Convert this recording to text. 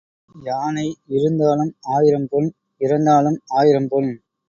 யானை இருந்தாலும் ஆயிரம் பொன், இறந்தாலும் ஆயிரம் பொன்.